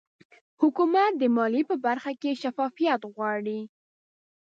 حکومت د مالیې په برخه کې شفافیت غواړي